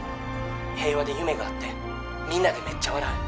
平和で夢があってみんなでメッチャ笑う